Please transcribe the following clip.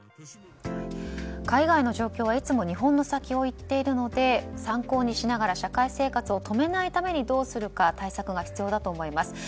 海外の状況はいつも日本の先を行っているので参考にしながら社会生活を止めないためにどうするか対策が必要だと思います。